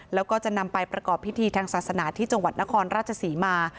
แล้วก็จะนำไปประกอบพิธีทางศาสนาที่จังหวัดนครราชศรีมา